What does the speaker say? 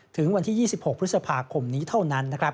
ถึงวันที่๒๖พฤษภาคมนี้เท่านั้น